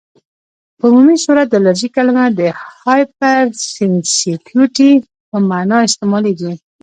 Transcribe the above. په عمومي صورت د الرژي کلمه د هایپرسینسیټیويټي په معنی استعمالیږي.